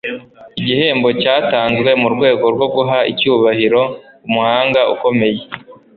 Igihembo cyatanzwe mu rwego rwo guha icyubahiro umuhanga ukomeye.